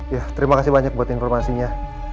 ya terima kasih banyak buat informasinya